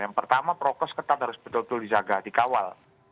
yang pertama prokes ketat harus betul betul dijaga dikawal